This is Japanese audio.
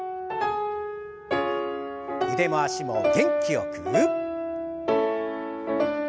腕も脚も元気よく。